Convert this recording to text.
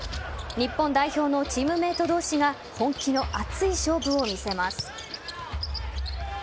日本代表のチームメート同士が本気の熱い勝負を見せます。